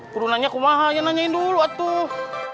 perlu nanya kumah aja nanyain dulu atuh